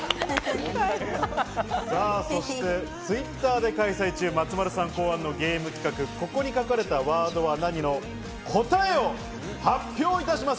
そしてＴｗｉｔｔｅｒで開催中、松丸さん考案のゲーム企画「ここに書かれたワードは何？」の答えを発表いたします。